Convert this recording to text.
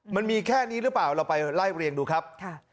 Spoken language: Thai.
มันมีแค่นี้หรือเปล่าเราไปไล่เรียงดูครับ